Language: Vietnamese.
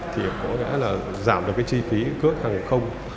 thì có nghĩa là giảm được chi phí cướp hàng không